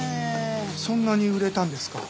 そんなに売れたんですか？